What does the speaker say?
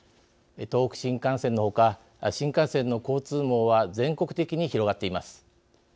東北新幹線のほか新幹線の交通網は全国的に広がっています。